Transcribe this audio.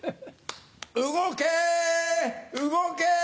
動け動け。